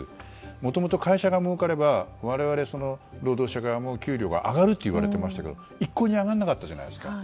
もともと会社がもうかれば我々、労働者側も給料が上がるといわれていましたけども一向に上がらなかったじゃないですか。